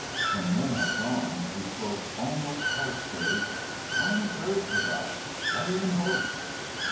When Len had gone, he spoke almost harshly. "Why encourage the guy? Why let him hope?"